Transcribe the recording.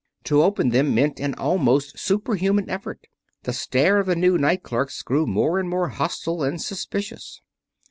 To open them meant an almost superhuman effort. The stare of the new night clerks grew more and more hostile and suspicious.